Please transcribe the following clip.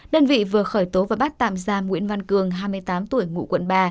đơn vị vừa khởi tố và bắt tạm giam nguyễn văn cường hai mươi tám tuổi ngụ quận ba